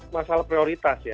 masalah prioritas ya